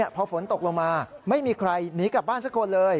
พอฝนตกลงมาไม่มีใครหนีกลับบ้านสักคนเลย